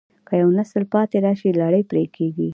که یو نسل پاتې راشي، لړۍ پرې کېږي.